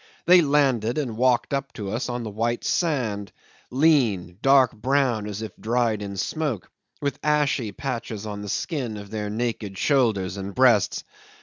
They landed and walked up to us on the white sand, lean, dark brown as if dried in smoke, with ashy patches on the skin of their naked shoulders and breasts.